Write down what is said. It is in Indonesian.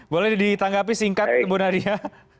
boleh ditanggapi singkat ibu nadia